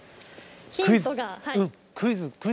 ヒントが。